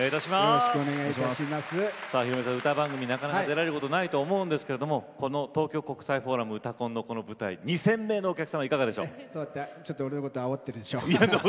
ヒロミさん歌番組なかなか出られることはないと思うんですけれどこの東京国際フォーラム「うたコン」の舞台、２０００名そうやってちょっと俺のことをあおっているでしょう？